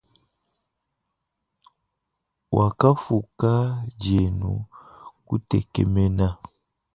Wakamfuka ndienu kutekemena.